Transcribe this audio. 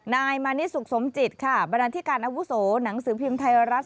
นายมานิสุขสมจิตค่ะบรรดาธิการอาวุโสหนังสือพิมพ์ไทยรัฐ